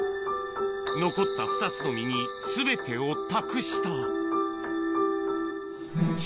残った２つの実にすべてを託した。